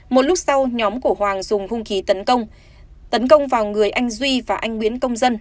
một lúc sau nhóm của hoàng dùng hung khí tấn công tấn công vào người anh duy và anh nguyễn công dân